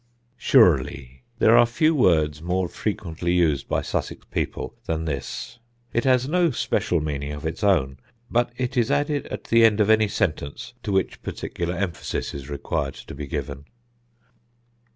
Surelye: There are few words more frequently used by Sussex people than this. It has no special meaning of its own, but it is added at the end of any sentence to which particular emphasis is required to be given.